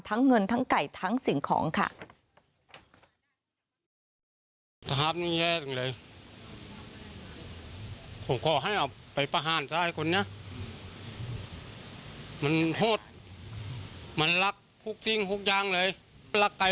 เงินทั้งไก่ทั้งสิ่งของค่ะ